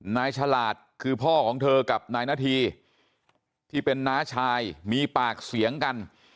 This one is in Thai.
ฉลาดคือพ่อของเธอกับนายนาธีที่เป็นน้าชายมีปากเสียงกัน